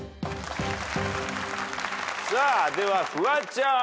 さあではフワちゃん。